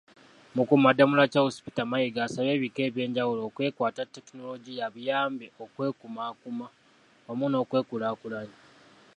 Mukuumaddamula Charles Peter Mayiga, asabye ebika eby’enjawulo okwekwata tekinologiya abiyambe okwekumakuma wamu n’okwekulakulanya.